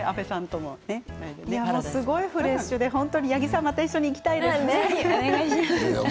すごいフレッシュで八木さんまた行きたいですね。